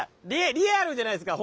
リアルじゃないですか。